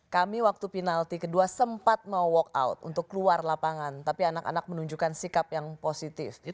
kami waktu penalti kedua sempat mau walk out untuk keluar lapangan tapi anak anak menunjukkan sikap yang positif